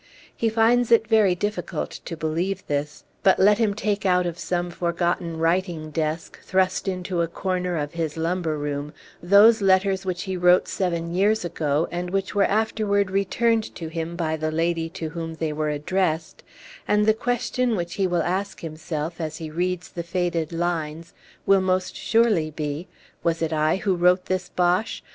He finds it very difficult to believe this; but let him take out of some forgotten writing desk, thrust into a corner of his lumber room, those letters which he wrote seven years ago, and which were afterward returned to him by the lady to whom they were addressed, and the question which he will ask himself, as he reads the faded lines, will most surely be, "Was it I who wrote this bosh?